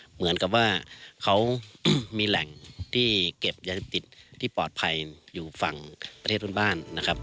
เหมือนกับว่าเขามีแหล่งที่เก็บยาเสพติดที่ปลอดภัยอยู่ฝั่งประเทศเพื่อนบ้านนะครับ